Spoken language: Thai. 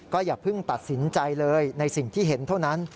อย่าเพิ่งตัดสินใจเลยในสิ่งที่เห็นเท่านั้น